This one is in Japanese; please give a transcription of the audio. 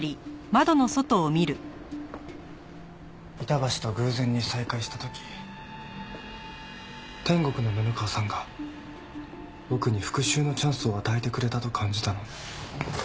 板橋と偶然に再会した時天国の布川さんが僕に復讐のチャンスを与えてくれたと感じたの。